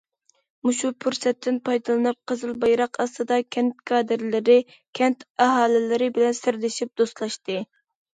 مۇشۇ پۇرسەتتىن پايدىلىنىپ، قىزىل بايراق ئاستىدا كەنت كادىرلىرى، كەنت ئاھالىلىرى بىلەن سىردىشىپ دوستلاشتى.